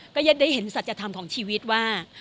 ก็ยังได้เห็นสัจธรรมของชีวิตว่า